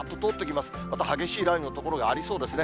また激しい雷雨の所がありそうですね。